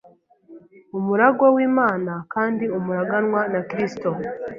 umuragwa w’Imana, kandi umuraganwa na Kristo.